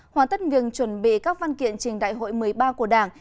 hoàn tất việc chuẩn bị các văn kiện trình đại hội một mươi ba của đảng